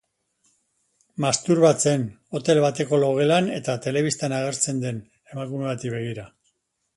Masturbatzen, hotel bateko logelan eta telebistan agertzen den emakume bati begira.